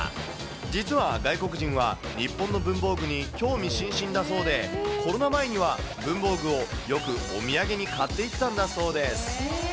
実は外国人は、日本の文房具に興味津々だそうで、コロナ前には、文房具をよくお土産に買っていったんだそうです。